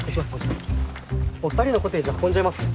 お２人のコテージ運んじゃいますね。